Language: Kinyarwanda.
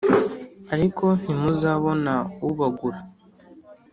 ariko ntimuzabona ubagura.”